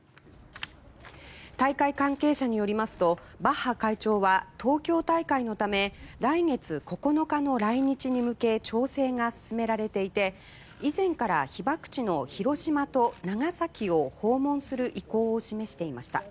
大会関係者によりますとバッハ会長は東京大会のため来月９日の来日に向け調整が進められていて以前から被爆地の広島と長崎を訪問する意向を示していました。